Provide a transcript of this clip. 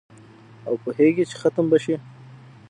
او پوهیږي چي ختم به شي